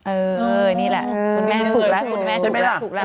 เออนี่แหละคุณแม่ถูกแล้วถูกแล้ว